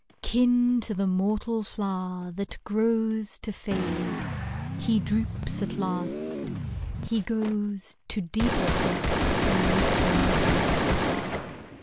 39 THE WILD IRIS Kin to the mortal flower that grows To fade, he droops at last; he goes To deeper peace than Nature knows.